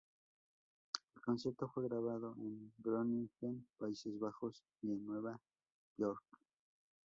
El concierto fue grabado en Groningen, Países Bajos, y en Nueva York.